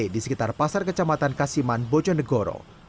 di sekitar pasar kecamatan kasiman bojonegoro